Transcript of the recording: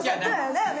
だよね！